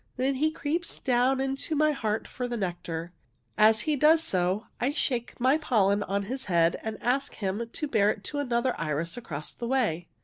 Then he creeps down into my heart for the nectar. As he does so, I shake my pollen on his head and ask him to bear it to another iris across the way.